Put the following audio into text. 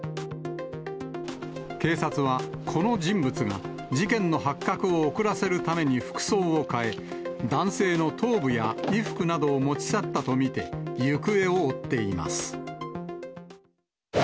警察は、この人物が事件の発覚を遅らせるために服装を変え、男性の頭部や衣服などを持ち去ったと見て、行方を追っています。